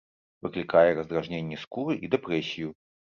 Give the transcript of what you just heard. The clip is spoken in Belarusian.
Выклікае раздражненне скуры і дэпрэсію.